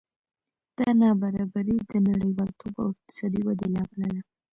دا نابرابري د نړیوالتوب او اقتصادي ودې له امله ده